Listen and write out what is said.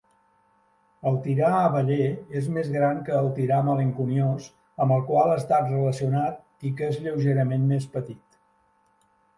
El tirà abeller és més gran que el tirà malenconiós amb el qual ha estat relacionat i que és lleugerament més petit.